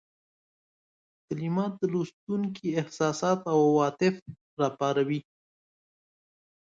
کلمات د لوستونکي احساسات او عواطف را وپاروي.